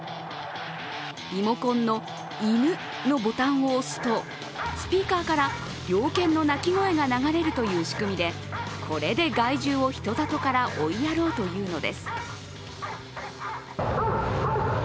リモコンの「犬」のボタンを押すとスピーカーから猟犬の鳴き声が流れるという仕組みでこれで害獣を人里から追いやろうというのです。